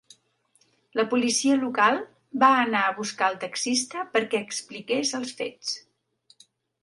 La policia local va anar a buscar el taxista perquè expliqués els fets.